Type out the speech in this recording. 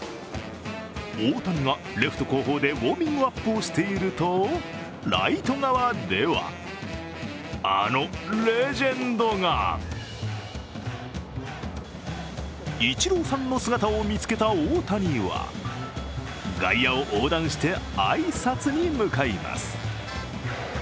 大谷がレフト後方でウォーミングアップをしているとライト側では、あのレジェンドがイチローさんの姿を見つけた大谷は外野を横断して挨拶に向かいます。